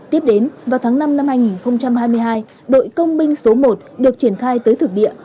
tiếp đến vào tháng năm năm hai nghìn hai mươi hai đội công binh số một được triển khai tới thực địa